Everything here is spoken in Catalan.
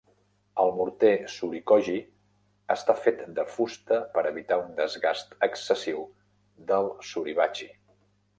El morter "surikogi" està fet de fusta per evitar un desgast excessiu del "suribachi".